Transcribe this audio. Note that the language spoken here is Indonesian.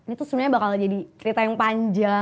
itu sebenernya bakal jadi cerita yang panjang